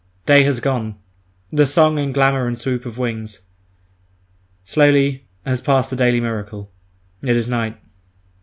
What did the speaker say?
Day has gone—the song and glamour and swoop of wings. Slowly, has passed the daily miracle. It is night.